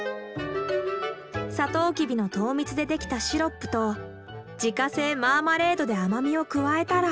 サトウキビの糖蜜で出来たシロップと自家製マーマレードで甘みを加えたら。